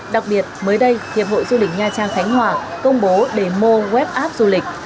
đặc biệt mới đây hiệp hội du lịch nha trang khánh hòa công bố đề mô web app du lịch